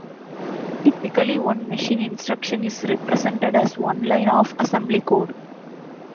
Typically, one machine instruction is represented as one line of assembly code.